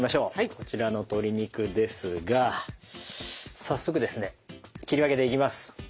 こちらの鶏肉ですが早速ですね切り分けていきます。